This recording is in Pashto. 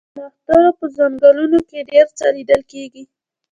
د نښترو په ځنګلونو کې ډیر څه لیدل کیږي